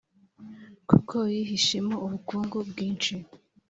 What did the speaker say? kuko yihishemo ubukungu bwinshi